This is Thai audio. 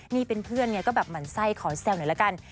นี่เป็นเพื่อนไงก็แบบหมั่นไส้ขอแซวหน่อยละกัน